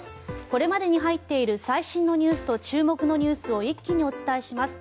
これまでに入っている最新のニュースと注目のニュースを一気にお伝えします。